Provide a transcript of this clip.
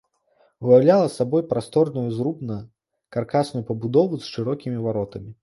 Уяўляла сабой прасторную зрубна-каркасную пабудову з шырокімі варотамі.